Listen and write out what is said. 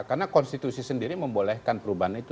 karena konstitusi sendiri membolehkan perubahan itu